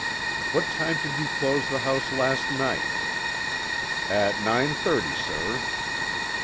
"What time did you close the house last night?" "At nine thirty, sir."